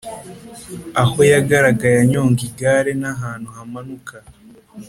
aho yagaragaye anyonga igare n’ahantu hamanuka